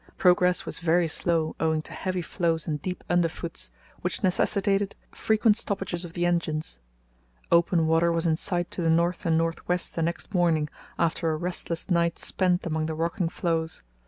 Progress was very slow owing to heavy floes and deep underfoots, which necessitated frequent stoppages of the engines. Open water was in sight to the north and north west the next morning, after a restless night spent among the rocking floes.